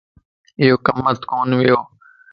يو ڪم ات ڪون ويو